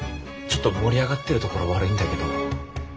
ちょっと盛り上がってるところ悪いんだけど。